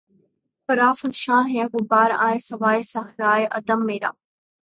پرافشاں ہے غبار آں سوئے صحرائے عدم میرا